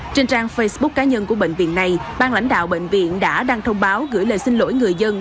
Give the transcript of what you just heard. trên trang facebook cá nhân của bệnh viện này bang lãnh đạo bệnh viện đã đăng thông báo gửi lời xin lỗi người dân